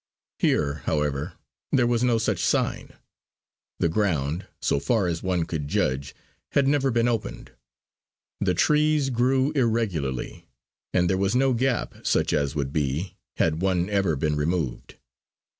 Here, however, there was no such sign; the ground, so far as one could judge, had never been opened. The trees grew irregularly, and there was no gap such as would be, had one ever been removed.